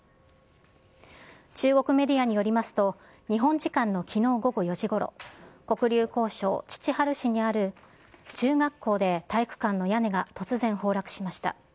中国メディアによりますと、日本時間のきのう午後４時ごろ、黒竜江省チチハル市にある中学校で、体育館の屋根が突然崩落しました。